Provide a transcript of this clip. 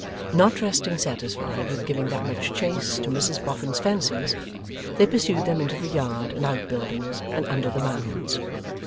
Not resting satisfied with giving that much chace to Mrs Boffin's fancies, they pursued them into the yard and outbuildings, and under the Mounds.